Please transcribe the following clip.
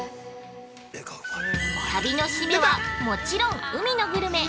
◆旅の締めはもちろん海のグルメ。